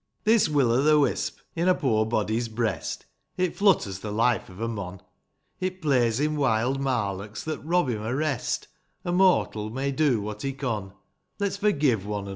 This will o' the wisp in a poor body's breast, It flutters the life of a mon ; It plays him wild marlocks that rob him o' rest, — A mortal may do what he con, — Let's forgive one another